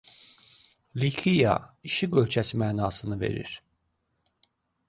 Likiya "İşıq ölkəsi" mənasını verir.